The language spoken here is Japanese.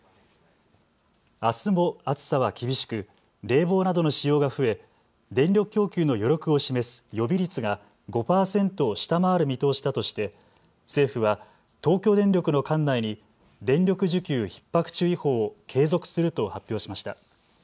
あすも暑さは厳しく冷房などの使用が増え電力供給の余力を示す予備率が５％を下回る見通しだとして政府は東京電力の管内に電力需給ひっ迫注意報を継続すると発表しました。